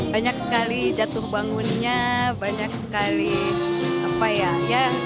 banyak sekali jatuh bangunnya banyak sekali apa ya